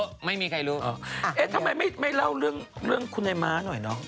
ทำไมไม่เล่าเรื่องคุณไอ้ม้าหน่อย